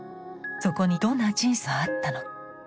そこにどんな人生があったのか。